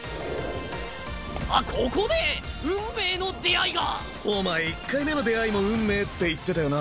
あっここで運命の出会いが！お前１回目の出会いも運命って言ってたよな？